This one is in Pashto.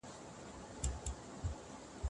ولي د ديندارو ښځو سره نکاح کول اړین دي؟